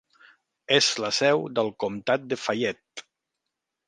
És la seu del comtat de Fayette.